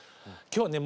今日はね